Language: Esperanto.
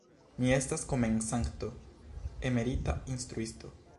Mi estas komencanto, emerita instruisto.